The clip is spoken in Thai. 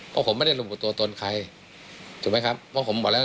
เพราะผมไม่ได้รบบุตัวตนใคร